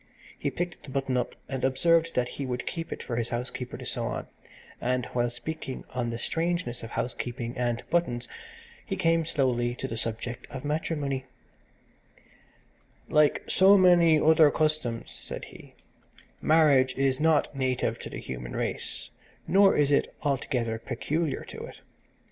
He picked the button up and observed that he would keep it for his housekeeper to sew on, and, while speaking on the strangeness of housekeeping and buttons, he came slowly to the subject of matrimony "Like so many other customs," said he, "marriage is not native to the human race, nor is it altogether peculiar to it.